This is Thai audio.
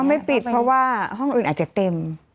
ไม่ปิดเพราะว่าห้องอื่นอาจจะเต็ม